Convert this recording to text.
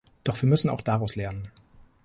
Doch wir müssen auch daraus lernen.